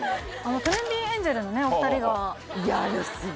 トレンディエンジェルのねお二人がいやあれ